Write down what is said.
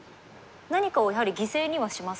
何かをやはり犠牲にはしますか？